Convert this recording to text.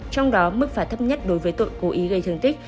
trong đó mức phạt thấp nhất đối với tội cố ý gây thương tích